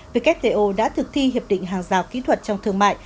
wto đã thực thi hiệp định hàng rào kỹ thuật trong thương mại